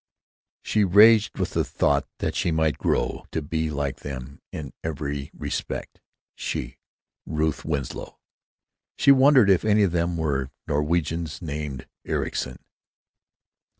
She raged with the thought that she might grow to be like them in every respect—she, Ruth Winslow!... She wondered if any of them were Norwegians named Ericson....